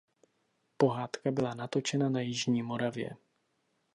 Pohádka byla natočena na jižní Moravě.